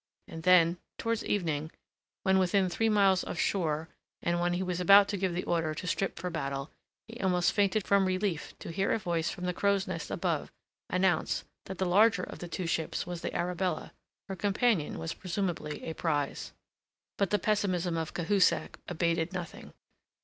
And then, towards evening, when within three miles of shore and when he was about to give the order to strip for battle, he almost fainted from relief to hear a voice from the crow's nest above announce that the larger of the two ships was the Arabella. Her companion was presumably a prize. But the pessimism of Cahusac abated nothing.